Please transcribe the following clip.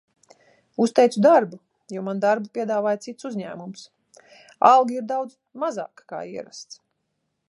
Uzteicu darbu, jo man darbu piedāvāja cits uzņēmums. Alga ir daudz mazāka kā ierasts.